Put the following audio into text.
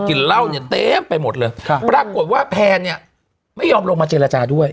เหล้าเนี่ยเต็มไปหมดเลยปรากฏว่าแพนเนี่ยไม่ยอมลงมาเจรจาด้วย